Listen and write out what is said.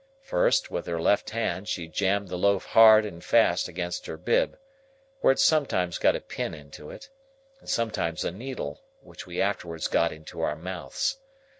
First, with her left hand she jammed the loaf hard and fast against her bib,—where it sometimes got a pin into it, and sometimes a needle, which we afterwards got into our mouths.